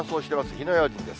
火の用心です。